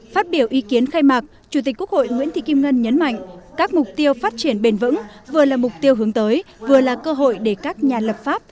phát biểu ý kiến khai mạc chủ tịch quốc hội nguyễn thị kim ngân nhấn mạnh các mục tiêu phát triển bền vững vừa là mục tiêu hướng tới vừa là cơ hội để các nhà lập pháp